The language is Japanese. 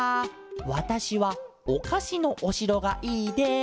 わたしはおかしのおしろがいいです」。